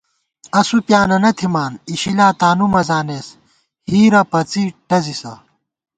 اسُو پیانَنَہ تھِمان ، اِشِلا تانُو مہ زانېس ہېرہ پَڅی ٹَزِسہ